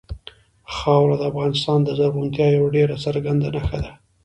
خاوره د افغانستان د زرغونتیا یوه ډېره څرګنده نښه ده.